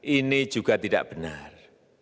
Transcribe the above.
ini juga tidak benar